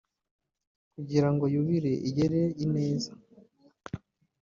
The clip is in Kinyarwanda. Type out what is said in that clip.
kugira ngo Yubile igere ineza